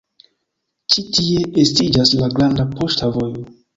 Ĉi tie estiĝas la Granda Poŝta Vojo.